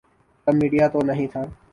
تب میڈیا تو نہیں تھا۔